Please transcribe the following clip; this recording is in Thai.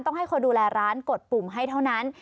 ต้องให้คนดูแลร้านกดปุ่มให้เท่านั้น